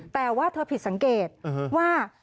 แต่ว่าเธอผิดสังเกตว่า